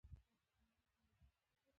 اب کمري ځنګلونه پسته لري؟